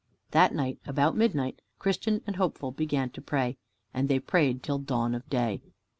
That night, about midnight, Christian and Hopeful began to pray, and they prayed till dawn of day.